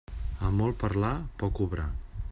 A molt parlar, poc obrar.